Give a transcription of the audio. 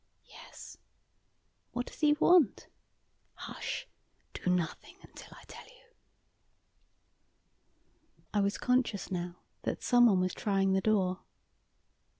"Yes." "What does he want?" "Hush! Do nothing until I tell you." I was conscious now that someone was trying the door.